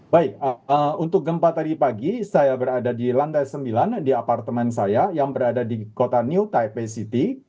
baik untuk gempa tadi pagi saya berada di lantai sembilan di apartemen saya yang berada di kota new taipei city